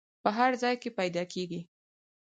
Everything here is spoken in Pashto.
په هر ځای کې پیدا کیږي.